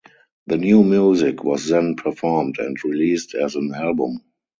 The new music was then performed and released as an album.